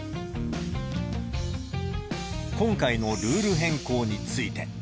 今回のルール変更について。